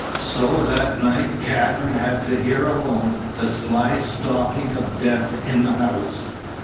So that night Katherine had to hear alone the sly stalking of death in the house.